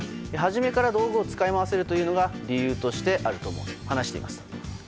初めから道具を使い回せるというのが理由としてあると思うと話しています。